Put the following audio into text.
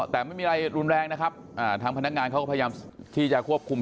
แต่ไม่มีอะไรรุนแรงนะครับทางพนักงานเขาก็พยายามที่จะควบคุม